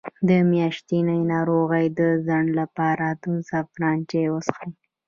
د میاشتنۍ ناروغۍ د ځنډ لپاره د زعفران چای وڅښئ